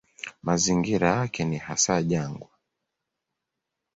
Mazingira yake ni hasa jangwa.